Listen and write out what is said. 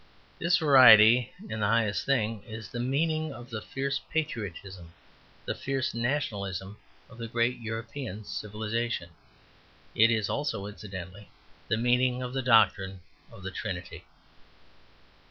This variety in the highest thing is the meaning of the fierce patriotism, the fierce nationalism of the great European civilization. It is also, incidentally, the meaning of the doctrine of the Trinity.